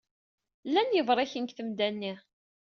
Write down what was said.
Llan yebṛiken deg temda-nni.